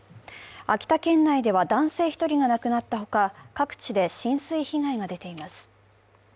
秋田県内では男性１人が亡くなったほか、各地で浸水被害が出ています。